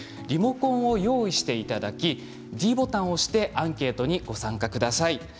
リモコンを用意してｄボタンを押してアンケートにご参加ください。